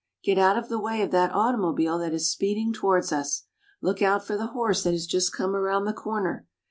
Get out of the way of that automobile that is speeding towards us. Look out for the horse that has just come around the corner.